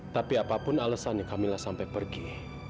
tapi apapun alasan camilla sampai pergi